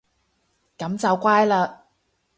噉就乖嘞